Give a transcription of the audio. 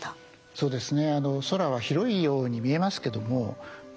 そうですね。